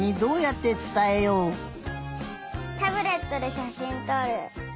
タブレットでしゃしんとる。